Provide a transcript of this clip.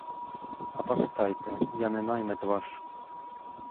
А пам'ятайте, я не наймит ваш!!